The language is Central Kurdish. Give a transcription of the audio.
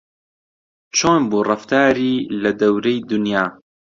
چۆن بوو ڕەفتاری لە دەورەی دونیا